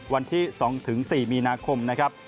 วันที่๒๔มีนาคมนะครับ